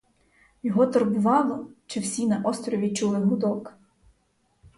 Його турбувало — чи всі на острові чули гудок.